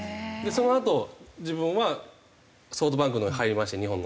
そのあと自分はソフトバンクのほうに入りまして日本の。